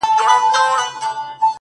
چي د پايزېب د شرنگولو کيسه ختمه نه ده;